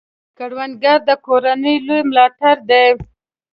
کروندګر د کورنۍ لوی ملاتړی دی